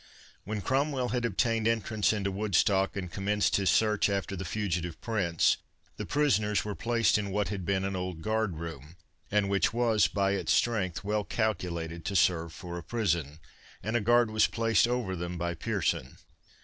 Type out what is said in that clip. When Cromwell had obtained entrance into Woodstock, and commenced his search after the fugitive Prince, the prisoners were placed in what had been an old guardroom, and which was by its strength well calculated to serve for a prison, and a guard was placed over them by Pearson.